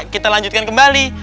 kita lanjutkan kembali